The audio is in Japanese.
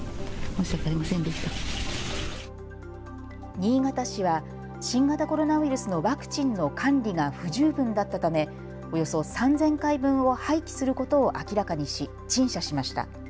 新潟市は新型コロナウイルスのワクチンの管理が不十分だったためおよそ３０００回分を廃棄することを明らかにし陳謝しました。